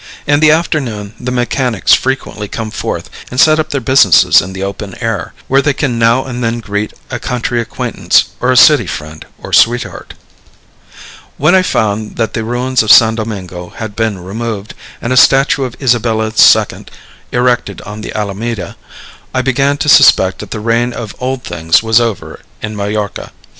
In the afternoon, the mechanics frequently come forth and set up their business in the open air, where they can now and then greet a country acquaintance or a city friend or sweetheart. When I found that the ruins of San Domingo had been removed, and a statue of Isabella II. erected on the Alameda, I began to suspect that the reign of old things was over in Majorca.